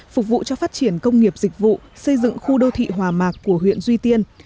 phục vụ cho phát triển công nghiệp dịch vụ xây dựng khu đô thị hòa mạc của huyện duy tiên